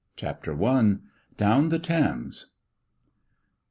CHAPTER I. Down the Thames.